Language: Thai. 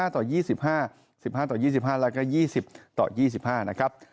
ต่อ๒๕๑๕ต่อ๒๕แล้วก็๒๐ต่อ๒๕นะครับ